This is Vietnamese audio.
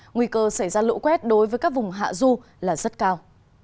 nguy cơ xảy ra lũ quét đối với các vùng hạ du là rất cao